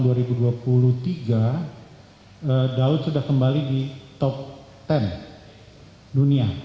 daud sudah kembali di top sepuluh dunia